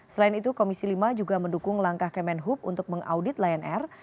selain itu komisi lima juga mendukung langkah kemenhub untuk mengaudit lion air